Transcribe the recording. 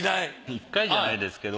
１回じゃないですけど。